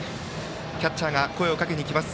キャッチャーが声をかけにいきます。